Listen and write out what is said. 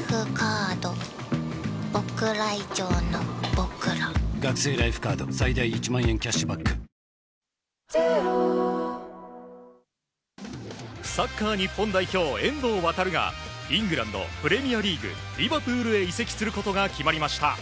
わかるぞサッカー日本代表、遠藤航がイングランド・プレミアリーグリバプールへ移籍することが決まりました。